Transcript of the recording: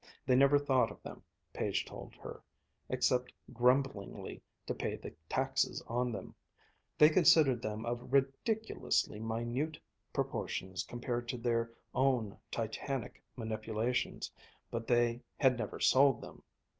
They never thought of them, Page told her, except grumblingly to pay the taxes on them; they considered them of ridiculously minute proportions compared to their own titanic manipulations, but they had never sold them.